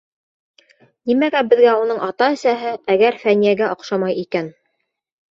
Нимәгә беҙгә уның ата-әсәһе, әгәр Фәниәгә оҡшамай икән?